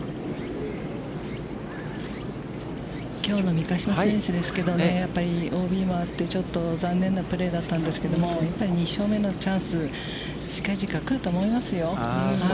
きょうの三ヶ島選手ですけれども、やっぱりＯＢもあって、ちょっと残念なプレーだったんですけど、やっぱり２勝目のチャンス、近々来ると思いますよ。